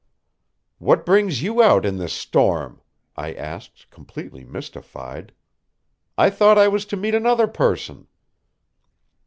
"What brings you out in this storm?" I asked, completely mystified. "I thought I was to meet another person."